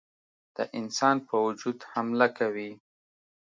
د انسان په وجود حمله کوي.